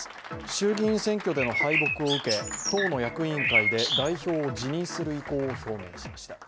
衆議院選挙での敗北を受け、党の役員会で代表を辞任する意向を表明しました。